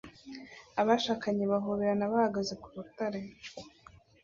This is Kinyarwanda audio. Abashakanye bahobera bahagaze ku rutare